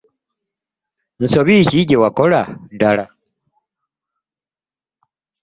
Nsobi ki gye wakola ddala?